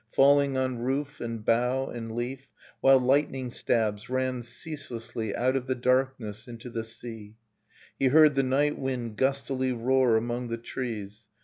Falling on roof and bough and leaf; While lightning stabs ran ceaselessly Out of the darkness into the sea. He heard the night wind gustily roar Among the trees.